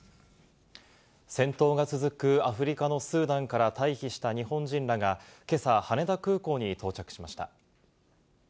戦闘が続くアフリカのスーダンから退避した日本人らがけさ、羽田空港に到着しました。